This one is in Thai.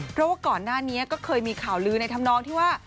เพราะว่าก่อนหน้านี้ก็เคยมีข่าวลือในธรรมนองที่ว่า